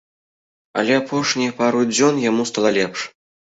Але апошнія пару дзён яму стала лепш.